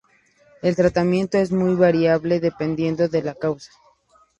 El tratamiento es muy variable, dependiendo de la causa.